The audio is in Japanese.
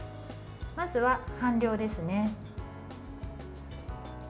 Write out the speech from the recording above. まずは半量ですね。